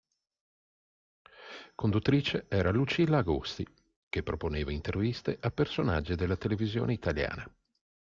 Conduttrice era Lucilla Agosti, che proponeva interviste a personaggi della televisione italiana.